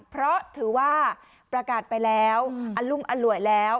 เพราะถือว่าประกาศไปแล้วอรุมอร่วยแล้ว